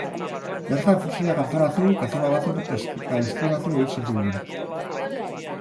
Bertan fosilak antolatu, katalogatu eta deskribatu egiten zituen.